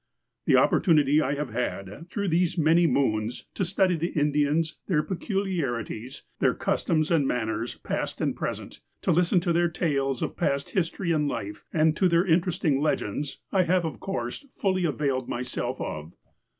The opportunity I have had, through these many moons, to study the Indians, their peculiarities, their customs and manners, past and present, to listen to their tales of past history and life, and to their interesting legends, I have of course fully availed myself of.